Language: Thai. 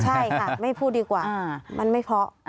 ใช่ค่ะไม่พูดดีกว่ามันไม่เคาะ